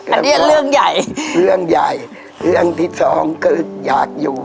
อันนี้เรื่องใหญ่เรื่องใหญ่เรื่องที่สองคืออยากอยู่